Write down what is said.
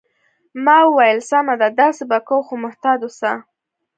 ما وویل: سمه ده، داسې به کوو، خو محتاط اوسه.